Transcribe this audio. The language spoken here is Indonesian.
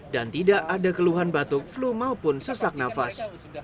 dan tidak ada keluhan batuk flu maupun sesak nafas